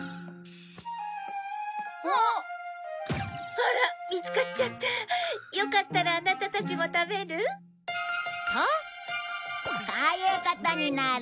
「あら見つかっちゃった」「よかったらアナタたちも食べる？」とこういうことになる。